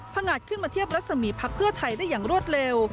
งัดขึ้นมาเทียบรัศมีพักเพื่อไทยได้อย่างรวดเร็ว